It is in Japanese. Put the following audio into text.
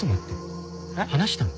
話したの？